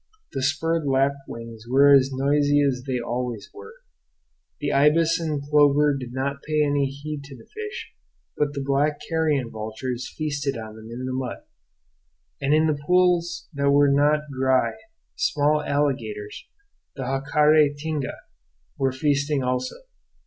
The spurred lapwings were as noisy as they always are. The ibis and plover did not pay any heed to the fish; but the black carrion vultures feasted on them in the mud; and in the pools that were not dry small alligators, the jacare tinga, were feasting also.